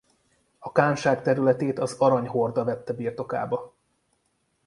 A kánság területét az Arany Horda vette birtokába.